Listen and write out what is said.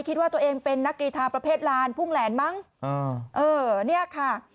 คิดว่าตัวเองเป็นนักกรีธาประเภทลานพุ่งแหลนมั้งอ่าเออเนี่ยค่ะ